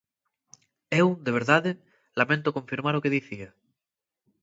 Eu, de verdade, lamento confirmar o que dicía.